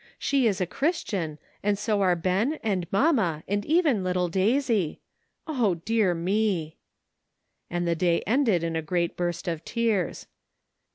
She is a Christian, and so are Ben, and mamma, and even little Daisy ; O, dear me !" And the day ended in a great burst of tears.